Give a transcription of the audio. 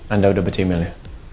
anda udah baca emailnya